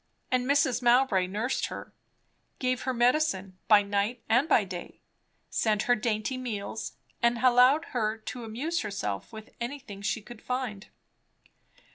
And Mrs. Mowbray nursed her; gave her medicine, by night and by day; sent her dainty meals, and allowed her to amuse herself with anything she could find.